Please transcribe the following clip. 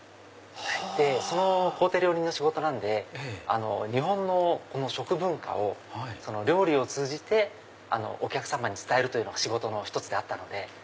その公邸料理人の仕事で日本の食文化を料理を通じてお客さまに伝えるというのが仕事の１つであったので。